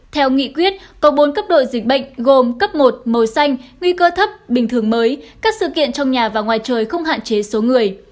theo nghị quyết có bốn cấp đội dịch bệnh gồm cấp một màu xanh nguy cơ thấp bình thường mới các sự kiện trong nhà và ngoài trời không hạn chế số người